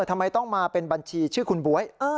ทำไมต้องมาเป็นบัญชีชื่อคุณบ๊วย